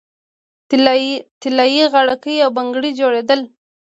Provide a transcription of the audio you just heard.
طلايي غاړکۍ او بنګړي جوړیدل